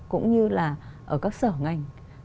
cũng như là ở các sở ngành